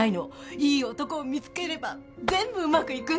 いい男を見つければ全部うまくいくんだから。